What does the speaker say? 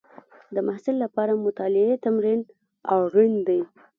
د محصل لپاره مطالعې تمرین اړین دی.